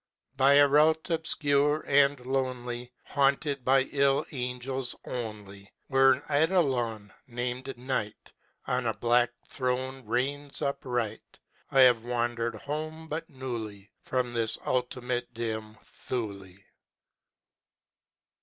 50 By a route obscure and lonely, Haunted by ill angels only, Where an Eidolon, named Night, On a black throne reigns upright, I have wandered home but newly 55 From this ultimate dim Thule.